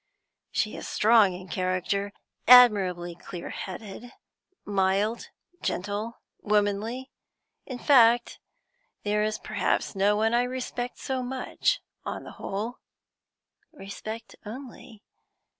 She is strong in character, admirably clear headed, mild, gentle, womanly; in fact, there is perhaps no one I respect so much, on the whole." "Respect, only?"